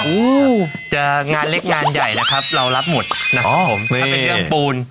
อืมจะงานเล็กงานใหญ่แล้วครับเรารับหมดนะครับผมถ้าเป็นเรื่องปูน